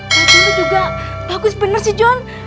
mak jonny juga bagus bener sih jon